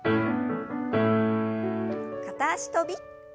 片脚跳び。